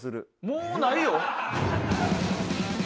・もうないよ。